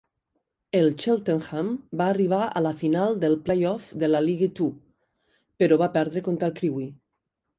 El Cheltenham va arribar a la final del play-off de la League Two, però va perdre contra el Crewe.